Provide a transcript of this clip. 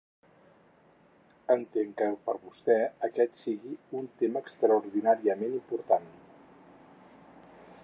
Entenc que per vostè aquest sigui un tema extraordinàriament important.